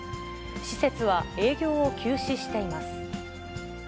施設は、営業を休止しています。